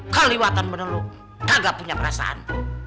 keliwatan bener lu kagak punya perasaan